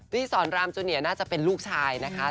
พี่สอนรามจูเนียน่าจะเป็นลูกชายนะคะ